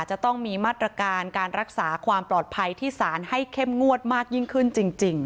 จะต้องมีมาตรการการรักษาความปลอดภัยที่สารให้เข้มงวดมากยิ่งขึ้นจริง